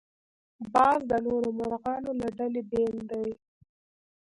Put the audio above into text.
باز د نورو مرغانو له ډلې بېل دی